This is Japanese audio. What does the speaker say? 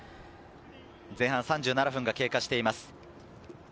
前半３７分が経過しています。